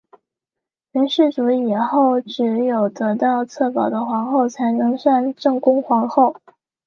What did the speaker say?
元世祖以后只有得到策宝的皇后才算正宫皇后。